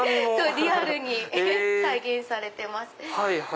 リアルに再現されてます。